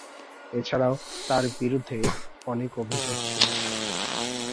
এছাড়াও তার বিরুদ্ধে অনেক অভিযোগ ছিলো।